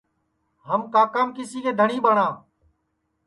ہم کاکام کسی کے دھٹؔی ٻٹؔا